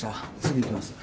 すぐ行きます。